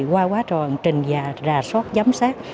qua quá tròn trình và rà sót giám sát